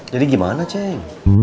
jadi gimana ceh